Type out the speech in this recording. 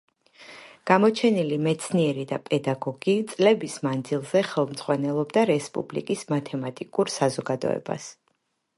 გამოჩენილი მეცნიერი და პედაგოგი წლების მანძილზე ხელმძღვანელობდა რესპუბლიკის მათემატიკურ საზოგადოებას.